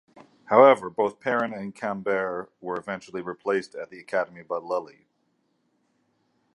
However, both Perrin and Cambert were eventually replaced at the academy by Lully.